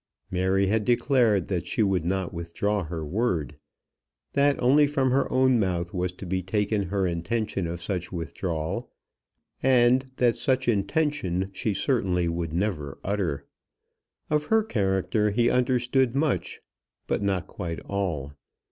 Mary had declared that she would not withdraw her word, that only from her own mouth was to be taken her intention of such withdrawal, and that such intention she certainly would never utter. Of her character he understood much, but not quite all.